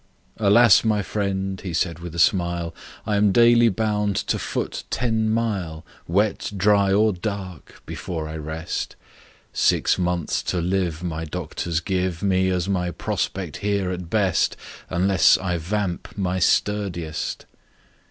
"Alas, my friend," he said with a smile, "I am daily bound to foot ten mile— Wet, dry, or dark—before I rest. Six months to live My doctors give Me as my prospect here, at best, Unless I vamp my sturdiest!"